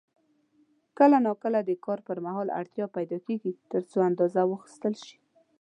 کله نا کله د کار پر مهال اړتیا پیدا کېږي ترڅو اندازه واخیستل شي.